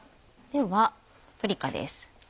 ではパプリカです。